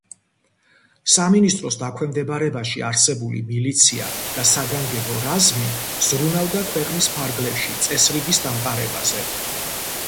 სამინისტროს დაქვემდებარებაში არსებული მილიცია და საგანგებო რაზმი ზრუნავდა ქვეყნის ფარგლებში წესრიგის დამყარებაზე.